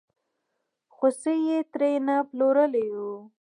خوسی یې ترې نه پلورلی و.